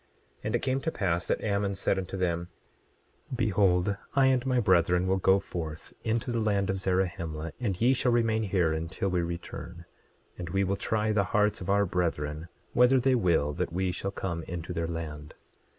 27:15 And it came to pass that Ammon said unto them: Behold, I and my brethren will go forth into the land of Zarahemla, and ye shall remain here until we return; and we will try the hearts of our brethren, whether they will that ye shall come into their land.